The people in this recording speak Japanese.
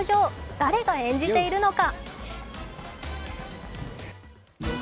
誰が演じているのか。